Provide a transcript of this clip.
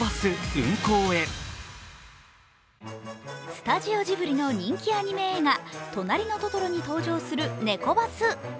スタジオジブリの人気アニメ映画「となりのトトロ」に登場するネコバス。